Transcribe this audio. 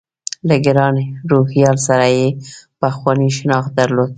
له ګران روهیال سره یې پخوانی شناخت درلود.